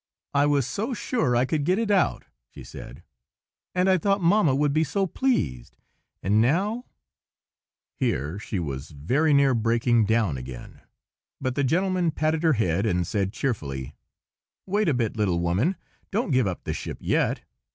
"I was so sure I could get it out," she said, "and I thought Mamma would be so pleased! And now—" Here she was very near breaking down again; but the gentleman patted her head and said, cheerfully, "Wait a bit, little woman! Don't give up the ship yet.